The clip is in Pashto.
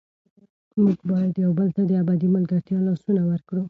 موږ باید یو بل ته د ابدي ملګرتیا لاسونه ورکړو.